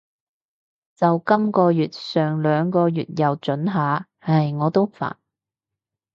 就今个月，上兩個月又准下。唉，我都煩